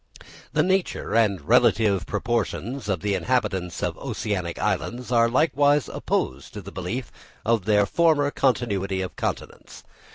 The nature and relative proportions of the inhabitants of oceanic islands are likewise opposed to the belief of their former continuity of continents.